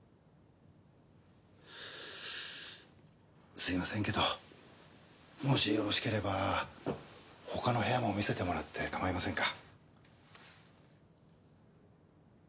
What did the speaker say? すみませんけどもしよろしければ他の部屋も見せてもらってかまいませんか？